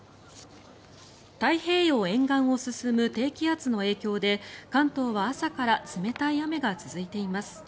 太平洋沿岸を進む低気圧の影響で関東は朝から冷たい雨が続いています。